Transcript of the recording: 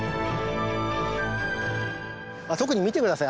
特に見て下さい。